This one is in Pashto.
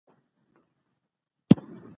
ازادي راډیو د هنر پر وړاندې د حل لارې وړاندې کړي.